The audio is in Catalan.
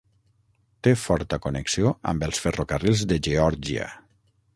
Té forta connexió amb els ferrocarrils de Geòrgia.